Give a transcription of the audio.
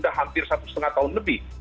sudah hampir satu setengah tahun lebih